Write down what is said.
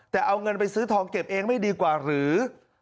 แต่เอาเงินไปซื้อทองเก็บเองไม่ดีกว่าหรือ